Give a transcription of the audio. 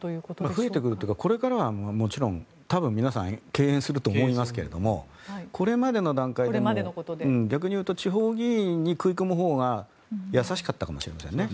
増えてくるというかこれからは多分皆さん敬遠すると思いますけどこれまでの段階逆にいうと地方議員に食い込むほうが易しかったかもしれませんね。